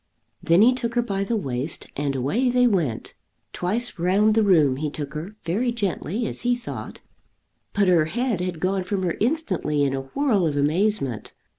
Then he took her by the waist, and away they went. Twice round the room he took her, very gently, as he thought; but her head had gone from her instantly in a whirl of amazement!